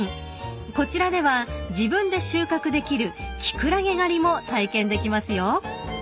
［こちらでは自分で収穫できるキクラゲ狩りも体験できますよ］